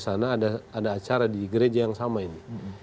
sana ada acara di gereja yang sama ini